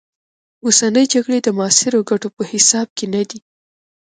اوسنۍ جګړې د معاصرو ګټو په حساب کې نه دي.